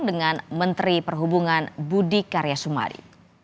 dengan menteri perhubungan budi karya sumadi